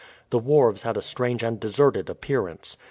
The wharves had a strange and deserted appearance.